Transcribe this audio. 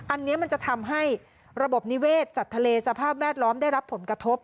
อันนี้มันจะทำให้ระบบนิเวศสัตว์ทะเลสภาพแวดล้อมได้รับผลกระทบ